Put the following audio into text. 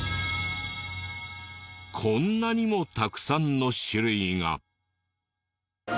こんなにもたくさんの種類が。